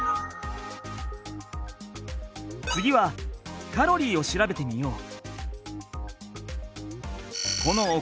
次はカロリーを調べてみよう。